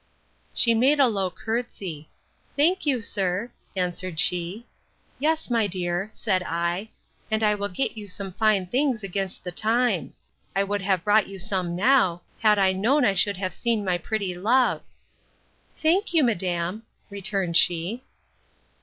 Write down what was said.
She made a low courtesy. Thank you, sir, answered she. Yes, my dear, said I, and I will get you some fine things against the time. I would have brought you some now, had I known I should have seen my pretty love. Thank you, madam, returned she.